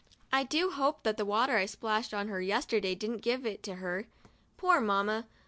I do hope that the water I splashed on her yesterday didn't give it to her. Poor Mamma